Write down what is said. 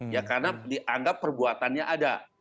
ya karena dianggap perbuatannya ada